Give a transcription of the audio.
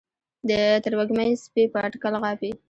د تروږمۍ سپي په اټکل غاپي